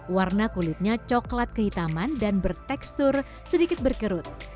warna kulitnya coklat kehitaman dan bertekstur sedikit berkerut